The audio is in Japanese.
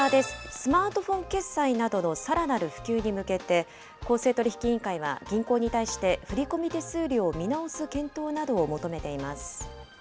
スマートフォン決済などのさらなる普及に向けて、公正取引委員会は銀行に対して振り込み手数料を見直す検討などを求めています。